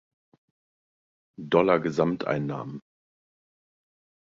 Dollar Gesamteinnahmen.